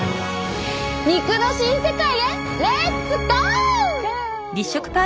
肉の新世界へレッツゴー！